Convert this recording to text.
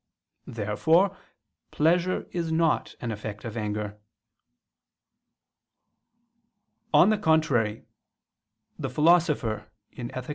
Therefore pleasure is not an effect of anger. On the contrary, The Philosopher (Ethic.